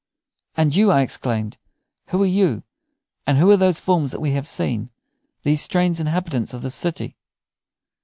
"And you," I exclaimed "who are you, and who are these forms that we have seen, these strange inhabitants of this city?"